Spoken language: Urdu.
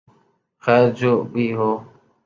خیر جو بھی ہو